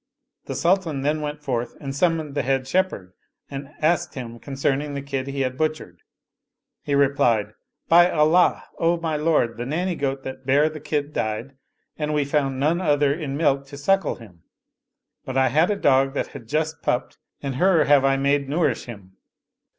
The Sultan then went forth and summoned the head shep herd and asked him concerning the kid he had butchered. He replied, " By Allah, O my lord, the nanny goat that bare the kid died and we found none other in milk to suckle him ; but I had a dog that had just pupped and her have I made nourish him."